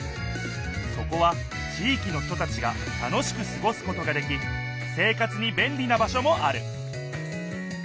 そこは地いきの人たちが楽しくすごすことができ生活にべんりな場所もある